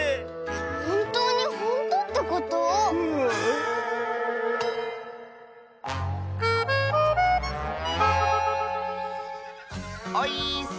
ほんとうにほんとってこと⁉オイーッス！